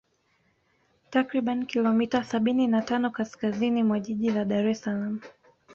Takribani kilomita sabini na tano kaskaziini mwa Jiji la Daressalaam